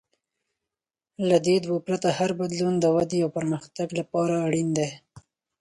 له دې دوو پرته، هر بدلون د ودې او پرمختګ لپاره اړین دی.